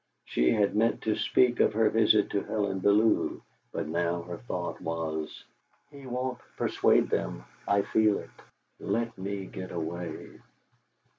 She had meant to speak of her visit to Helen Bellew, but now her thought was: '.e won't persuade them; I feel it. Let me get away!'